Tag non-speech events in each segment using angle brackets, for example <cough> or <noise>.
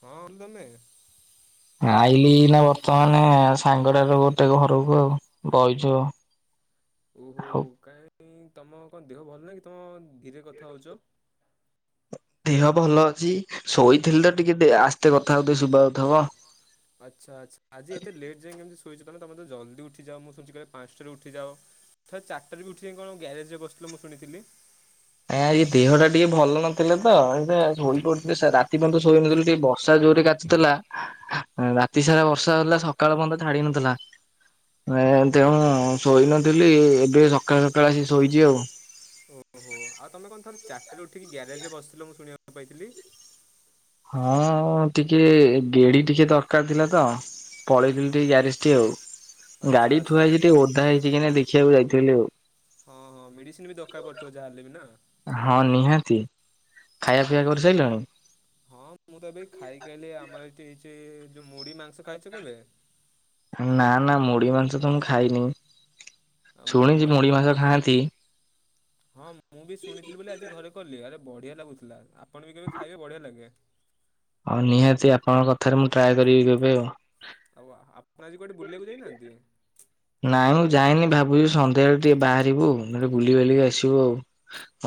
ହଁ <inaudible> ଆଇଲିି ନା ବର୍ତ୍ତମାନ ସାଙ୍ଗଡାର ଗୋଟେ ଘରକୁ ଆଉ ବଇଛୁ ଆଉ ଓହୋ କାହିଁକ ତମ କଣ ଦେହ ଭଲ ନାଁ କି ତମ ଧୀରେ କଥା ହଉଛ? ଦିହ ଭଲ ଅଛି ଶୋଇଥିଲି ତ ଟିକେ ଆସ୍ତେ କଥା ହଉଥିବ ଶୁଭା ଯାଉଥିବ। ଆଚ୍ଛା ଆଚ୍ଛା ଆଜି ଏତେ ଲେଟ୍ ଯାଇକ କେ ଶୋଇଚ ତ ନା ତମେ ତ ଜଲଦି ଉଠି ଯାଅ ମୁଁ ଶୁ ପାଞ୍ଚଟାରେ ଉଠିଯାଅ? ଚାରଟାରେ ବି ଉଠିକି କଣ ଗ୍ୟାରେଜରେ ବସିଥିଲୁ ମୁଁ ଶୁଣିଥିଲି? ଆ ଦେହଟା ଟିକେ ଭଲ ନଥିଲେ ତ ଏଇ ଶୋଇ ପଡୁଥିଲେ ରାତି ପର୍ଯ୍ୟନ୍ତ ଶୋଇ ନଥିଲି ଟିକେ ବର୍ଷା ଜୋରୋ ଥିଲା ରାତି ସାରା ବର୍ଷା ହେଉଥିଲା ସକାଳ ପର୍ଯ୍ୟନ୍ତ ଛାଡି ନଥିଲା। ଏଁ ତେଣୁ ଶୋଇନଥିଲି ଏବେ ସକାଳେ ସକାଳେ ଆ ଶୋଇଛି ଆଉ ଓହୋ ଆଉ ତମେ କଣ ଥରେ ଚାରିଟାରେ ଉଠିକି ଗ୍ୟାରେଜରେ ବସିଥିଲ ମୁଁ ଶୁଣିବାକୁ ପାଇଥିଲି? ହଁ ଟିକେ ଗେଡି ଟିକେ ଦରକାର ଥିଲା ତ? ପଳେଇଥିଲି ଟିକେ ଗ୍ୟାରେଜଠି ଆଉ ଆଚ୍ଛା ଗାଡି ଥୁଆ ଆଚ୍ଛା ହେଇଛି ଟିକେ ଓଦା ହେଇଛି କି ନାଇଁ ଦେଖିବାକୁ ଯାଇଥିଲି ଆଉ ହଁ ହଁ ମେଡିସିନ ବି ଦରକାର ପଡିଥିବ ଯାହାହେଲେ ବି ନା ହଁ ନିହାତି ଖାଇବା ପିଇବା କରିସାରିଲାଣି? ହଁ ମୁଁ ତ ଏବେ ଖାଇକି ଆଲି ଆମର ଏଠି ହେଇଛି ଯୋଉ ମୁଢି ମାଂସ ଖାଇଛ କେବେ? ନା ନା ମୁଢି ମାଂସ ତ ମୁଁ ଖାଇନି ଆଉ ଶୁଣିଛି ଆମ ମୁଢି ମାଂସ ଖାଆନ୍ତି। ହଁ ମୁଁ ବି ଶୁଣିଥିଲି ବୋଲି ଆଜି ଘରେ କଲିି ଆରେ ବଢିଆ ଲାଗୁଥିଲା। ଆପଣ ବି କେବେ ଖାଇବେ ବଢିଆ ଲାଗେ। ହଁ ନିହାତି ଆପଣଙ୍କ କଥାରେ ମୁଁ ଟ୍ରାଏ କରିବି କେବେ ଆଉ ହଉ ଆପଣ ଆଜି କୁଆଡେ ବୁଲିବାକୁ ଯାଇନାହାନ୍ତି? ନାଇଁ ମୁଁ ଯାଇନି ଭାବୁଛିି ସନ୍ଧ୍ୟାବେଳେ ଟିକେ ବାହାରିବୁ ବୁଲି ବଲିକି ଆସିବୁ ଆଉ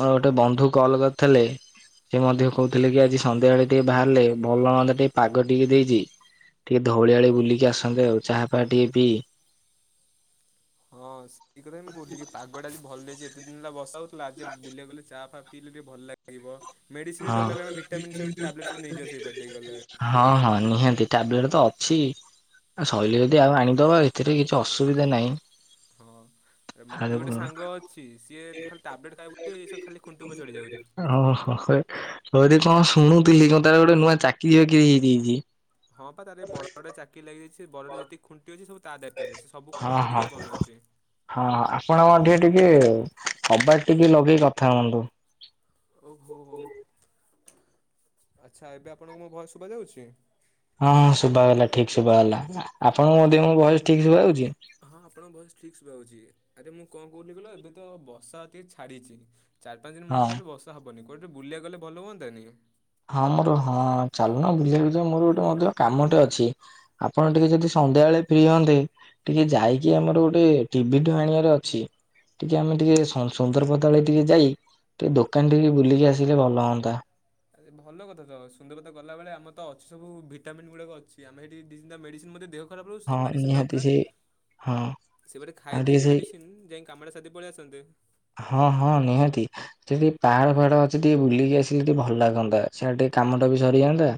ମୋର ଗୋଟେ ବନ୍ଧୁ କଲ କରିଥିଲେ ସେ ମଧ୍ୟ କହୁଥିଲେ କି ଆଜି ସନ୍ଧ୍ୟାବେଳେ ଟିକେ ବାହାରିଲେ ଭଲ ହନ୍ତା ଟିକେ ପାଗ ଟିକେ ଦେଇଛି ଟିକେ ଧଉଳି ଆଡେ ବୁଲିକି ଆସନ୍ତେ ଆଉ ଚାହାଫାହା ଟିକେ ପି ହଁ ସେଇ କଥା ମୁଁ କହୁଥିଲି କି ପାଗଟା ଆଜି ଭଲ ଦେଇଛି ଏତେ ଦିନ ହେଲା ବସା ହଉଥିଲା ଆଜି ବୁଲିବା ଗଲେ ଚା ଫା ପିଇଲେ ଟିକେ ଭଲ ଲାଗିବ ମେଡ଼ିସିନ ବି ହଁ ଦରକାର ପାଇଁ ଭିଟାମିନ୍ ସବୁ ଟ୍ୟାବଲେଟ୍ ସବୁ ନେଇଯିବା ସେଇପଟ ଦେଇ ଗଲେ। ହଁ ହଁ ନିହାତି ଟ୍ୟାବଲେଟ ତ ଅଛି ଆ ଶଇଲେ ଯଦି ଆଉ ଆଣିଦବା ଏଥିରେ କିଛି ଅସୁବିଧା ନାହିଁ ହଁ ମୋର ଗୋଟେ ସାଙ୍ଗ ଅଛି ସିଏ ଖାଲି ଟାବଲେଟ ଖାଇବ ଖାଲି ଖୁଣ୍ଟି ଉପରେ ଚଢି ଯାଉଛି ଓ ହୋ ହୋଇ ହଉଦି କଣ ଶୁଣୁଥିଲି କଣ ତାର ଗୋଟେ ନୂଆ ଚାକିରି ବାକିରି ହେଇଯାଇଛି ହଁ ବା ତାର ବଡଗଡରେ ଚାକିରି ଲାଗିଯାଇଛି ବଡଟା ଯେତିକି ଖୁଣ୍ଟି ଅଛି ସବୁ ତା ଦାୟିତ୍ୱରେ ସେ ସବୁ ହଁ ଖୁଣ୍ଟି ହଁ ଚଢ଼ିକି ବନଉଛି ହଁ ଆପଣଙ୍କ ମଧ୍ୟ ଟିକେ ଟିକେ କବାଟ ଟିକେ ଲଗେଇକି କଥା ହୁଅନ୍ତୁ ଓ ହଉ ହଉ ଆଚ୍ଛା ଏବେ ଆପଣଙ୍କୁ ମୋ ଭଏସ ଶୁଭା ଯାଉଛି ହଁ ହଁ ଶୁବା ଗଲା ଠିକ୍ ଶୁଭା ଗଲା ଆପଣଙ୍କୁ ମଧ୍ୟ ମୋ ଭଏସ ଠିକ୍ ଶୁଭା ଯାଉଚି। ହଁ ଆପଣଙ୍କ ଭଏସ୍ ଠିକ୍ ଶୁଭାଯାଉଛି ଏବେ ମୁଁ କଁ କହୁଥିଲି କହିଲ ଏବେ ତ ବର୍ଷା ଟିକେ ଛାଡିଚି। ଚାରି ପାଞ୍ଚ ଦିନ ମୋ ହଁ ହିସାବରେ ବର୍ଷା ହବନି କୁଆଡେ ଟିକେ ବୁଲିଆକୁ ଗଲେ ଭଲ ହୁଅନ୍ତାନି। ହଁ ମୋର ହଁ ଚାଲୁନ ବୁଲିଆକୁ ଯିବା ମୋର ଗୋଟେ ମଧ୍ୟ କାମଟେ ଅଛି। ଆପଣ ଟିକେ ଯଦି ସନ୍ଧ୍ୟାବେଳେ ଫ୍ରି ହଅନ୍ତେ ଟିକେ ଯାଇକି ଆମର ଗୋଟେ ଟିଭିଟେ ଆଣିବାର ଅଛି ଟିକେ ଆମେ ଟିକେ ସନ୍ ସୁନ୍ଦରପଦା ଆଳେ ଟିକେ ଯାଇ ଟିକେ ଦୋକାନଠିକି ବୁଲିକି ଆସିଲେ ଭଲ ହଅନ୍ତା। ଆରେ ଭଲ କଥା ତ ସୁନ୍ଦରପଦା ଗଲାବେଳେ ଆମର ତ ଅଛି ସବୁ ଭିଟାମିନ୍ ଗୁଡାକ ଅଛି ଆମେ ହେଠି ଦି ତିନଟା ମେଡିସିନ୍ ମଧ୍ୟ ଦେହକ୍ ଖରାପ ରହୁଚି ତ ହଁ ମେଡିସିନ୍ ନିହାତି ଦରକାର ସେ ହଁ ସେଇବାଟେ ଆଉ ଖାଇ ଟିକେ ଦେଇକି ସେଇ ମେଡିସିନ୍ ଯାଇଁ କାମଟା ସାରିଦେଇ ପଳିଆସନ୍ତେ। ହଁ ହଁ ନିହାତି। ସେଇଠି ବି ପାହାଡ ଫାହାଡ ଅଛି ଟିକେ ବୁଲିକି ଆସିଲେ ଟିକେ ଭଲ ଲାଗନ୍ତା ସିଆଡେ ଟିକେ କାମଟା ବି ସରିଯାଆନ୍ତା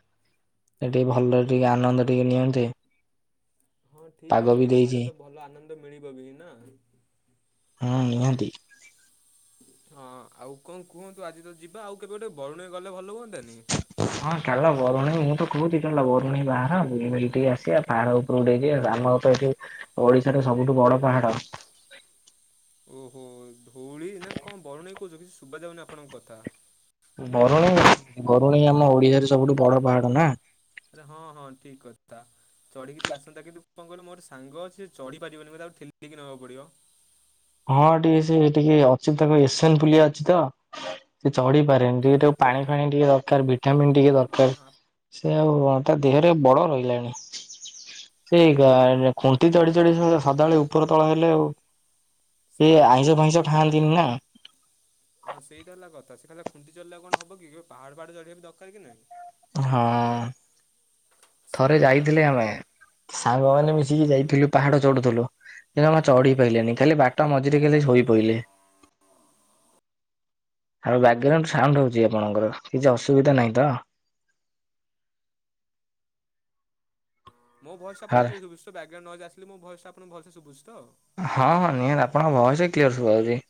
ଏ ଟିକେ ଭଲେରେ ଟିକେ ଆନନ୍ଦ ଟିକେ ନିଅନ୍ତେ। ହଁ ଠିକ୍ ପାଗ ଅଛି ବି ଦେଇଛି ପାହାଡେ ତ ଭଲ ଆନନ୍ଦ ମିଳିବ ବି ନା। ହୁଁ ନିହାତି। ହଁ ଆଉ କଁ କୁହନ୍ତୁ ଆଜି ତ ଯିବା ଆଉ କେବେ ଗୋଟେ ବରୁଣେଇ ଗଲେ ଭଲ ହୁଅନ୍ତାନି। ହଁ ଚାଲ ବରୁଣେଇ ମୁଁ ତ କହୁଚି ଚାଲ ବରୁଣେଇ ବାହାର ବୁଲିବାଲି ଟିକେ ଆସିଆ ପାହାଡ ଉପ୍ ଉପୁରୁକୁ ଟିକେ ଯିଆ ରାନର ତ ଏଠି ଓଡିଶାରେ ସବୁଠୁ ବଡ ପାହାଡ। ଉଁ ହୁଁ ଧଉଳି ନା କଁ ବରୁଣେଇ କହୁଚ କିଛି ସୁବାଯାଉନି ଆପଣଙ୍କ କଥା। ବରୁଣେଇ ବରୁଣେଇ ଆମ ଓଡିଶାରେ ସବୁଠୁ ବଡ ପାହାଡ ନା। ହଁ ହଁ ଠିକ୍ କଥା। ଚଢିକିି ଟିକେ ଆସନ୍ତା କିନ୍ତୁ କଁ କହିଲୁ ମୋ ଗୋଟେ ସାଙ୍ଗ ଅଛି ସିଏ ଚଢି ପାରିବନି ମତେ ଆଉ ଠେଲିକି ନବାକୁ ପଡିବ। ହଁ ଟିକେ ସେ ଟିକେ ଅଛି ତାଙ୍କ ଏସେନ ପୁଲିଆ ଅଛି ତ। ସିଏ ଚଢି ପାରେନି ଟିକେ ତାକୁ ପାଣି ଫାଣି ଟିକେ ଦରକାର ଭିଟାମିନ ଟିକେ ଦରକାର। ହଁ ଏ ଆଉ ତା ଦେହେରେ ବଳ ରହିଲାଣି। ସେଇ ଗାଁରେ ଖୁଣ୍ଟି ଚଢି ଚଢି ସ ସଦାବେଳେ ଉପର ତଳ ହେଲେ ଆଉ। ଇଏ ଆଇଁଷ ଫାଇଁଷ ଖାଆନ୍ତିନି ନା। ହ <inaudible> ହଁ ସେଇ ତ ହେଲା କଥା ସିଏ ଖାଲି ଆଉ ଖୁଣ୍ଟି ଚଢିଲେ ଆଉ କଣ ହବ କି କେବେ ପାହାଡ ଫାଆଡ ଚଢିବା ବି ଦରକାର କି ନାଇଁ। ହଁ। ଥରେ ସେଇଟା ଯାଇଥିଲେ ଆମେ ହଁ ସାଙ୍ଗମାନେ ମିଶିକି ଯାଇଥିଲୁ ପାହାଡ ଚଢୁଥୁଲୁ। ସିଏ ଜମା ହଁ। ଚଢି ପାଇଲେନି ଖାଲି ବାଟ ମଝିରେ ଖାଲି ଶୋଇପଇଲେ। ଆଉ ବ୍ୟାଗ୍ରାଉଣ୍ଡ ସାଉଣ୍ଡ ହଉଚି ଆପଣଙ୍କର କିଛି ଅସୁବିଧା ନାହିଁ ତ। ମୋ ଭଏସ ଆପଣଙ୍କୁ ହଁ କ୍ଲିଅର ଶୁଭୁଚି ତ ବ୍ୟାଗ୍ରାଉଣ୍ଡ ନଏଜ ଆସିଲେ ମୋ ଭଏସଟା ଆପଣଙ୍କୁ ଭଲ ସେ ଶୁଭୁଚି ତ? ହଁ ହଁ ନିହାତି ଆପଣଙ୍କ ଭଏସେ କ୍ଲିୟର ଶୁଭା ହଉଚି।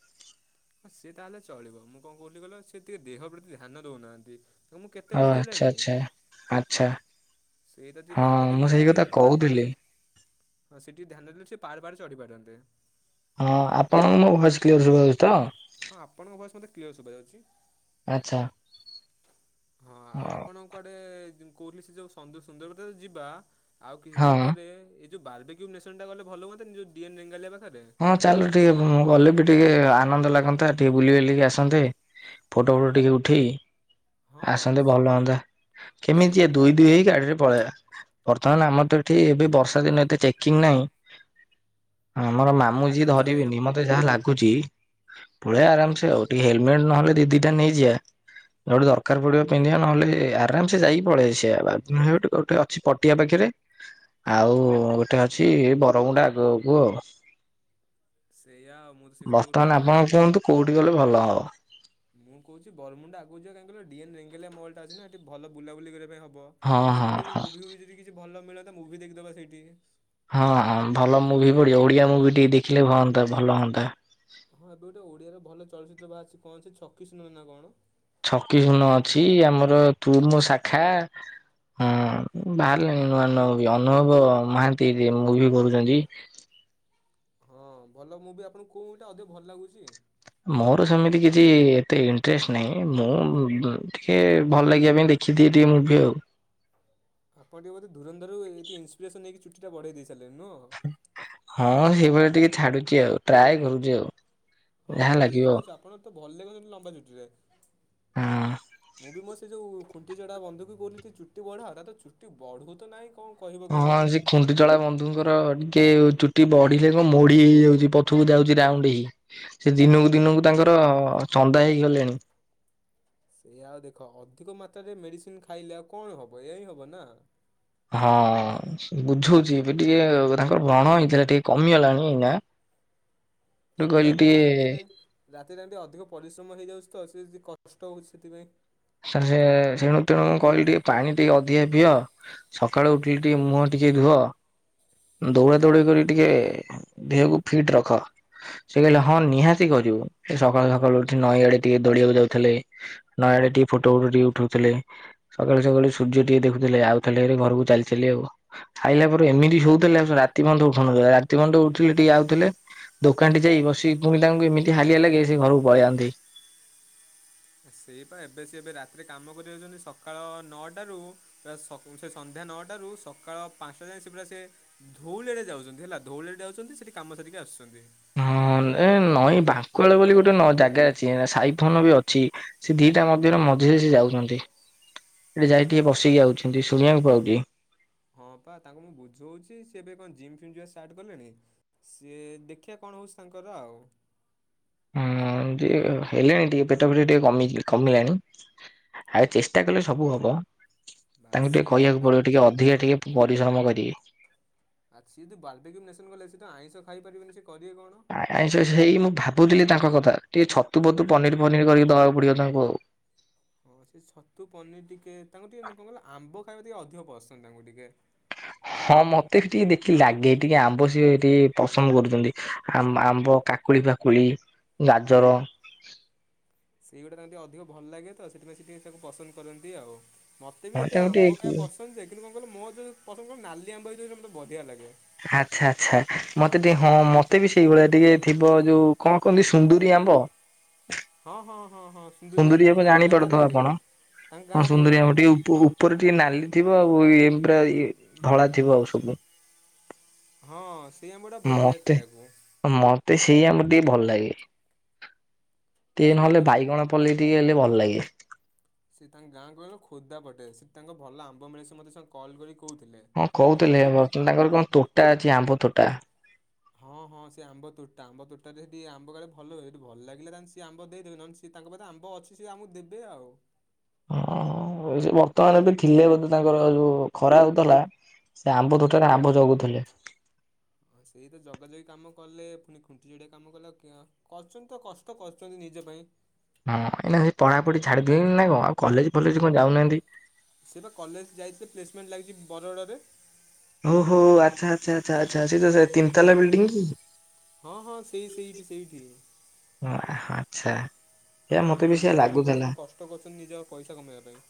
ହଁ ସିଏ ତାହେଲେ ଚଳିବ ମୁଁ କଁ କହୁଥିଲି କହିଲ ସିଏ ଟିକେ ଦେହ ପ୍ରତି ଧ୍ୟାନ ଦଉନାହାନ୍ତି। ତାକୁ ମୁଁ କେତେ ଓ ଆଚ୍ଛା ବୁଝେଇଲେଣି। ଆଚ୍ଛା ଆଚ୍ଛା ସେଇଟା ଟିକେ ହଁ ଧ୍ୟାନ ମୁଁ ଦେଲେ ସେଇ ସିଏ ଟିକେ କଥା ପାହାଡ ଫାଆଡ କହୁଥିଲି ଚ ହଁ ସେ ଟିକେ ଧ୍ୟାନ ଦେଲେ ସିଏ ପାହାଡ ଫାଆଡ ଚଢିପାରନ୍ତେ। ହଁ ଆପଣଙ୍କୁ ମୋ ଭଏସ କ୍ଲିୟର ଶୁବାହଉଚି ତ? ହଁ ଆପଣଙ୍କ ଭଏସ ମତେ କ୍ଲିୟର ଶୁବାଯାଉଚି। ଆଚ୍ଛା ହଁ ଆଉ ଆପଣଙ୍କୁ କୁଆଡେ ଯୋଉ ମୁଁ କଉଥିଲି ସେ ଯୋଉ ସନ୍ଦୁ ସୁନ୍ଦରପଦା ତ ଯିବା ଆଉ କିଛି ହଁ ଦିନ ପରେ ଏଇ ଯୋଉ ବାର୍ବିକ୍ୟୁ ନେସନଟା ଗଲେ ଭଲ ହୁଅନ୍ତାନି ଯୋଉ ଡି ଏନ୍ ରେଙ୍ଗାଲିଆ ପାଖେରେ। ହଁ ଚାଲ ଟିକେ ବୁ ମୁଁ ଗଲେ ବି ଟିକେ ଆନନ୍ଦ ଲାଗନ୍ତା ଟିକେ ବୁଲି ବାଲିକି ଆସନ୍ତେ। ଫଟୋ ଫଟୋ ଟିକେ ଉଠେଇ ହଁ ଆସନ୍ତେ ଭଲ ହଅନ୍ତା। କେମିତି ସେଇ ଯିଆ ଦୁଇ ଦୁଇ ହେଇ ଗାଡିରେ ପଳେଇବା ବର୍ତ୍ତମାନ ଆମର ତ ଏଠି ଏବେ ବର୍ଷା ଦିନ ଏତେ ଚେକିଂ ନାଇଁ ଆମର ହଁ ମାମୁଁ ଯିଏ ଆରାମସେ ଯାଇହବ। ଧରିବେନି ମତେ ଯାହା ଲାଗୁଚି। ପଳେଇଆ ଆରାମସେ ଆଉ ଟିକେ ହେଲମେଟ ନହେଲେ ଦି ଦିଟା ନେଇଯିଆ। ଯୋଉଠି ଦରକାର ପଡିବ ପିନ୍ଧିବା ନହେଲେ ଆରାମ ସେ ଯାଇକି ପଳେଇ ଆସିଆ। <unintelligible> ଅଛି ପଟିଆ ପାଖେରେ ଆଉ ଗୋଟେ ଅଛି ବରମୁଣ୍ଡା ଆଗକୁ ଆଉ। ସେଇୟା ଆଉ ମୁଁ ତ ସେଇ କଥା କହୁଥିଲି ବର୍ତ୍ତମାନ ଆରାମସେ ଆପଣ ବୁ କୁହନ୍ତୁ କୋଉଠିକି ଗଲେ ଭଲ ହବ? ମୁଁ କହୁଛି ବରମୁଣ୍ଡା ଆଗକୁ ଯିବା କାହିଁକି କଇଲ ଡିଏନ୍ ରେଙ୍ଗାଲିଆ ମଲ ଟା ଅଛି ନା ସେଠି ଭଲ ବୁଲାବୁଲି କରିବା ପାଇଁ ହବ। ହଁ ଦେଖୁଲି ହଁ ଆଯି ମୁଭି ଫୁବି ଯଦି କିଛି ଭଲ ମିଳନ୍ତା ତ ମୁଭି ଦେଖିଦବା ସେଇଠି। ହଁଁ ଭଲ ମୁଭି ପଢିବ ଓଡିଆ ମୁଭି ଟିକେ ଦେଖିଲେ ହଅନ୍ତା ଭଲ ହଅନ୍ତା। ହଁ ଏବେ ଗୋଟେ ଓଡିଆର ଭଲ ଚଳଚିତ୍ର ବାହାରିଚି କଁ ଅଛି ଛକିଶୂନ ନା କଣ? ଛକିଶୁନ ଅଛି ଆମର ତୁ ମୋ ଶାଖା। ହଁ ବାହାରିଲାଣି ନୂଆ ନୂଆ ମୁଭି ଅନୁଭବ ମହାନ୍ତି ଯେ ମୁଭି କରୁଚନ୍ତି। ହଁ ଭଲ ମୁବି ଆପଣଙ୍କୁ କୋଉଗୁଟା ଅଧିକ ଭଲ ଲାଗୁଛି? ମୋର ସେମିତି କିଛି ଏତେ ଇଣ୍ଟରେଷ୍ଟ ନାହିଁ ମୁଁ ଟିକେ ଭଲ ଲାଗିବା ପାଇଁ ଦେଖ ଦେଖି ଦିଏ ଟିକେ ମୁଭି ଆଉ। ଆପଣ ଟିକେ ବୋଧେ ଧୂରନ୍ଦର ରୁ ଏଇଟି ଇନସପିରେସନ ହେଇକି ଚୁଟି ଟା ବଢେଇ ଦେଇ ସାରିଲେଣି ନୁଅ। ହଁ ସେଇଭଳିଆ ଟିକେ ଛାଡୁଛି ଆଉ। ଟ୍ରାଏ କରୁଚି ଆଉ। ହଁ ଯାହା ଭଲ ଲାଗିବ ଦେଖାଉଛି ଆପଣ ତ ଭଲ ଦେଖାଉଛନ୍ତି ଲମ୍ବା ଚୁଟିରେ। ଉଁ। ମୁଁ ବି ମୋ ସେ ଯେଉଁ ଖୁଣ୍ଟି ଚଡ଼ା ବନ୍ଧୁ କୁ କହୁଥିଲି ଟିକେ ଚୁଟି ବଢ଼ା ତାର ତ ଚୁଟି ବଢ଼ୁ ତ ନାହିଁ କଣ। କହିବ ହଁ କହିଲ? ଆ ସ ଖୁଣ୍ଟିଚଡା ବନ୍ଧୁଙ୍କର ଟିକେ ଚୁଟି ବଢିଲେ କଁ ମୋଢି ହେଇ ଯାଉଛି ପଛୁକୁ ଯାଉଛି ରାଉଣ୍ଡ ହେଇ। ସେ ଦିନୁକୁ ଦିନୁକୁ ତାଙ୍କର ଚନ୍ଦା ହେଇ ଗଲେଣି। ସେ ଆଉ ଦେଖ ଅଧିକ ମାତ୍ରାରେ ମେଡିସିନ ଖାଇଲେ ଆଉ କଣ ହବ ଏୟା ହିଁ ହବ ନା। ହଁ ବୁଝୋଉଛି ଏବେ ଟିକେ ତାଙ୍କର ବ୍ରଣ ହେଇଥିଲା ଟିକେ କମିଗଲାଣି ଏଇନା। ମୁଁ ସେଇଆ କହିଲି ପା ଟିକେ ରାତିରେ। ରାତିରେ ଏମତି ଅଧିକ ପରିଶ୍ରମ ହେଇଯାଉଛି ତ ସେ ଯଦି କଷ୍ଟ ହଉଛି ସେଥିପାଇଁ। ସାର ସିଏ ସେଣୁ ତେଣୁ କହିଲି ଟିକେ ପାଣି ଟିକେ ଅଧିକା ପିଅ। ସକାଳୁ ଉଠିଲି ଟିକେ ମୁହଁ ଟିକେ ଧୁଅ। ଦୌଡ଼ା ଦୌଡି କରି କି ଟିକେ ଦେହକୁ ଫିଟ୍ ରଖ। ସେ କହିଲେ ହଁ ନିହାତି କରିବୁ। ସେ ସକାଳୁ ସକାଳୁ ଉଠି ନଈଆଡେ ଟିକେ ଦୌଡିବାକୁ ଯାଉଥିଲେ। ନଇ ଆଡେ ଟିକେ ଫୋଟୋ ଫଟ ଟିକେ ଉଠଉଥିଲେ। ସକାଳୁ ସକାଳୁ ସୂର୍ଯ୍ୟ ଟିକେ ଦେଖୁଥିଲେ ଆଉ ଥିଲେ ହାରି ଘରକୁ ଚାଲିଚାଲି ଆଉ। ଖାଇଲା ପରେ ଏମିତି ଶୋଉଥିଲେ ଆଉ ସେ ରାତି ପନ୍ତ ଉଠୁ ନଥିଲେ ରାତି ପନ୍ତ ଉଠିଲେ ଟିକେ ଆାଉଥିଲେ। ଦୋକାନ ଟି ଯାଇ ବସି ପୁଣି ତାଙ୍କୁ ଏମିତି ହାଲିଆ ଲାଗେ। ସେ ଘରକୁ ପଳେଇଯାଆନ୍ତି। ସେଇପା ଏବେ ସେ ଏବେ ରାତିରେ କାମ କରି ବାକୁ ଯାଉଛନ୍ତି ସକାଳ ନଅଟାରୁ। ପୁରା ସ ସେ ସନ୍ଧ୍ୟା ନଅଟାରୁ ସକାଳ ପାଞ୍ଚଟା ଯାଏ ସେ ପୁରା ସେ। ଧଉଳିରେ ଯାଉଛନ୍ତି ହେଲା ଧଉଳିରେ ଯାଉଛନ୍ତି ସେଠି କାମ ସାରିକି ଆସୁଛନ୍ତି। ହଁ ଏ ନଈଁ ବାଙ୍କୁଆଳ ବୋଲି ଗୋଟେ ନ ଜାଗା ଅଛି ସାଇଫୋନ ବି ଅଛି। ସେ ଦିଟା ମଧ୍ୟରେ ମଝିରେ ସେ ଯାଉଛନ୍ତି। ସେଠି ଯାଇ ସେ ଟିକେ ବିସି କି ଆଉଛନ୍ତି ଶୁଣିବାକୁ ପାଉଛି। ହଁ ପା ତାଙ୍କୁ ମୁଁ ବୁଝଉଛି ସିଏ ଏବେ କଣ ଜିମ୍ ଫିମ୍ ଯିବା ଷ୍ଟାର୍ଟ କଲେଣି। ସିଏ ଦେଖିବା କଣ ହଉଛି ତାଙ୍କର ଆଉ। ହୁଁ ଏମତି ହେଲେଣି ଟିକେ ପେଟ ଫେଟ ଟିକେ କମିଚି କମିଲାଣି। ଆଉ ଚେଷ୍ଟା କଲେ ସବୁ ହବ ବାସ୍ ତାଙ୍କୁ ଟିକେ ସେଇ ତ କହିବାକୁ ହେଲା ପଡିବ କଥା। ଟିକେ ଅଧିକା ଟିକେ। ପରିଶ୍ରମ କରିବେ। ଆଛା ସିଏ ଯଦି‌ ବା୍ରବି କିଉ ନେସନ୍ ଗଲେ ସେ ତ ଆଇଁଷ ଖାଇ ପାରିବେନି ସିଏ କରିବେ କଣ। ଆଇଁଷ ସେଇ ମୁଁ ଭାବୁଥିଲି ତାଙ୍କ କଥା ଟିକେ ଛତୁ ଫତୁ ପନିର ଫନିର କରିକି ଦବାକୁ ପଡିବ ତାଙ୍କୁ ଆଉ। ଓ ସେ ଛତୁ ପନିର ଟିକେ ତାଙ୍କୁ ଟିକେ କଣ କହିଲ ଆମ୍ବ ଖାଇବା ଟିକେ ଅଧିକ ପସନ୍ଦ ତାଙ୍କୁ ଟିକେ। ହ ହଁ ମତେ ବି ଟିକେ ଦେଖିକି ଲାଗେ ଟିକେ ଆମ୍ବ ସିିଏ ଟିକେ ପସନ୍ଦ କରୁଛନ୍ତି ଆ ଆମ୍ବ କାକୁଡି ପାକ କୁଡି ଗାଜର। ସେଇଗୁଡ଼ା ତାଙ୍କୁ ଟିକେ ଅଧିକ ଭଲ ଲାଗେ ତ ସେଥିପାଇଁ ସେ ଟିକେ ତାକୁ ପସନ୍ଦ କରନ୍ତି ଆଉ। ମତ ବି ହଁ ଏତେ ତାଙ୍କୁ ଆମ୍ବ ଟିକେ ଖାଇବା ପସନ୍ଦ ଯେ କିନ୍ତୁ କଣ କିହିଲୁ ମୋର ଯୋଉ ପସନ୍ଦ କହିଲୁ ନାଲି ଆମ୍ବ ହେଇଯଉରା ମତେ ବଢ଼ିଆ ଲାଗେ। ଆଚ୍ଛା ଆଚ୍ଛା ମତେ ଟିକେ ହଁ ମତେ ବି ସେଇଭଳିଆ ଟିକେ ଥିବ ଯୋଉ କଣ କହନ୍ତି ସୁନ୍ଦୁରି ଆମ୍ବ? ହଁ ହଁ ହଁ ହଁ ସୁନ୍ଦୁରି ଆମ୍ବ ତାଙ୍କ ଗାଁରେ ହୁଏ ତାଙ୍କ ହଁ ଗାଁରେ ସୁନ୍ଦୁରି ହୁଏ ଆମ୍ବ ପା। ଟିକେ ଉପ ଉପରେ ଟିକେ ନାଲି ଥିବ ଆଉ ଇଏ ପୁରା ଧଳା ଥିବ ଆଉ ସବୁ। ହଁ ସେଇ ଆମ୍ବ ଟା ବଢ଼ିଆ ଲାଗେ ମତେ ଖାଇବାକୁ। ମତେ ସେଇ ଆମ୍ବ ଟି ଭଲ ଲାଗେ ଟିକେ ସେଇ ନହେଲେ ତ ବାଇଗଣ ପଲେଇ ଟିକେ ହେଲେ ଭଲ ଲାଗେ। ସେ ତାଙ୍କ ଗାଁ କହିଲ ଖୋର୍ଦ୍ଧା ପଟେ ସେ ତାଙ୍କ ଭଲ ଆମ୍ବ ମିଳେ ସେ ମୋତେ ସାଙ୍ଗ କଲ୍ କରିକି କହୁଥିଲେ। ହଁ ମୁଁ କହିଲି କହୁଥିଲେ ଠିକ୍ ଅଛି। ବର୍ତ୍ତମାନ ତାଙ୍କର କଣ ତୋଟା ଅଛି ଆମ୍ବ ତୋଟା। ହଁ ହଁ ସେ ଆମ୍ବ ତୋଟା ଆମ୍ବ ତୋଟାରେ ହେଟୀ ଆମ୍ବ କାଳେ ଭଲ ହୁଏ। ହେଟୀ ଭଲ ଲାଗିଲା ତାହାଲେ ସେ ଆମ୍ବ ଦେଇଦେବେ ନହେଲେ ସେ ସେ ତାଙ୍କ ପାଖେ ଆମ୍ବ ଅଛି ସେ ଆମକୁ ଦେବେ ଆଉ। ହଁ ବର୍ତ୍ତମାନ ଏବେ ଥିଲେ ବୋଧେ ତାଙ୍କର ଯୋଉ ଖରା ହଉଥିଲା। ସେ ଆମ୍ବ ତୋଟାରେ ଆମ୍ବ ଜଗୁଥିଲେ। ହଁ ସେଇ ତ ଜଗା ଜଗି କାମ କଲେ ପୁଣି ଖୁଣ୍ଟି ଯୋଡ଼ିଆ କାମ କଲେ ଆ କ କରୁଛନ୍ତି ତ କଷ୍ଟ କରୁଛନ୍ତି ନିଜ ପାଇଁ। ହଁ ଏଇନା ସେ ପଢ଼ାପୁଢ଼ି ଛାଡ଼ିଦେ ନା କ ଆଉ କଲେଜ ଫଲେଜ କଣ ଯାଉନାହାନ୍ତି? ସେ ବା କଲେଜ ଯାଇଥିଲେ ପ୍ଲେସମେଣ୍ଟ ଲାଗିଛି ବରଗଡ଼ରେ। ହୋ ହୋ ଆଚ୍ଛା ଆଚ୍ଛା ଆଚ୍ଛା ଆଚ୍ଛା ସେ ତିନତାଲା ବିଲ୍ଡିଂ କି? ହଁ ହଁ ସେଇ ସେଇଠି ସେଇଠି। ଓ ଆଚ୍ଛା। ସେଇଆ ଯଦି ମତେ ବି ସେଇଆ ଡେଲି କାମ ଲାଗୁଥିଲା। କରୁଛନ୍ତି କଷ୍ଟ କରୁଛନ୍ତି ନିଜ ପଇସା କମେଇବା ପାଇଁ।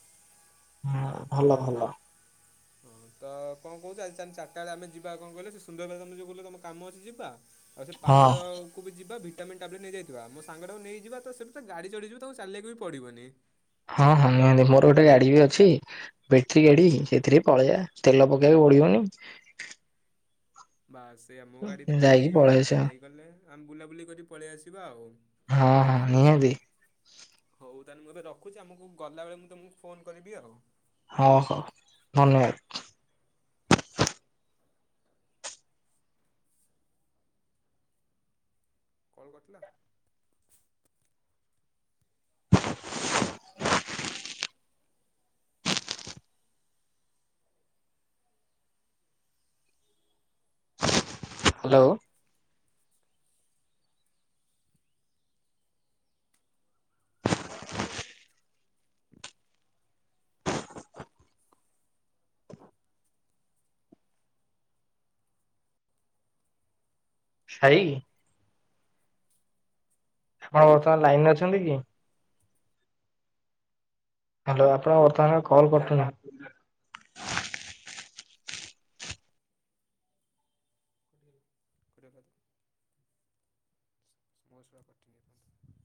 ହୁଁ ଭଲ ଭଲ। ହଁ ତ କଣ କହୁଛ ଆଜି ଚାଲି ଚାରିଟା ବେଳେ ଆମେ ଯିବା କଣ କହିଲ ସେ ସୁନ୍ଦରବେଲା ତମେ ଯଉ କହୁଥିଲ ତମ କାମ ଅଛି ଯିବା। ଆଉ ସେ ହଁ ପାହାଡ଼ କୁ ବି ଯିବା ଭି ଭିଟାମିନ୍ ଟାବଲେଟ୍ ନେଇଯାଇଥିବା ମୋ ସାଙ୍ଗଟାକୁ ନେଇଯିବା ତ ସେ ତ ଗାଡ଼ି ଚଢ଼ିଯିବ ତାକୁ ଚାଲିବାକୁ ବି ପଡ଼ିବନି। ହଁ ହଁ ନିହାତି ମୋର ଗୋଟେ ଗାଡ଼ି ବି ଅଛି। ବେଟରୀ ଗଡ଼ି ସେଥିରେ ପଳେଇବା ତେଲ ପକେଇବାକୁ ପଡ଼ିବନି। ବାଶ୍ ସେଇଆ ମୋ ଗାଡ଼ିଟା ବି ଯାଇକି ନେଇଯିବା ପଳେଇ ଆସିବା। ନେଇଗଲେ ଆମେ ବୁଲାବୁଲି କରି ପଳେଇ ଆସିବା ଆଉ। ହଁ ହଁ ନିହାତି। ହଉ ତାହେଲେ ମୁଁ ଏବେ ରଖୁଛି ଆମକୁ ଗଲାବେଳେ ମୁଁ ତମକୁ ଫୋନ କରିବି ଆଉ। ହଁ ହଉ ଧନ୍ୟବାଦ। କଲ୍ କରିଥିଲା? <inaudible> ହ୍ୟାଲୋ <inaudible> ଶାଇ ଆପଣ ବର୍ତ୍ତମାନ ଲାଇନ ରେ ଅଛନ୍ତି କି? ହ୍ୟାଲୋ ଆପଣଙ୍କ ବର୍ତ୍ତମାନ କଲ୍ କଟିନା। <unintelligible> <unintelligible>